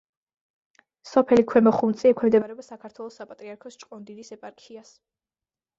სოფელი ქვემო ხუნწი ექვემდებარება საქართველოს საპატრიარქოს ჭყონდიდის ეპარქიას.